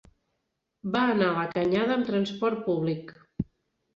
Va anar a la Canyada amb transport públic.